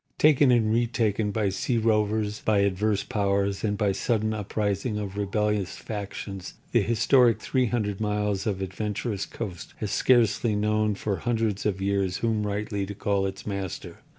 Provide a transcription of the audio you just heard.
Taken and retaken by sea rovers, by adverse powers and by sudden uprising of rebellious factions, the historic 300 miles of adventurous coast has scarcely known for hundreds of years whom rightly to call its master.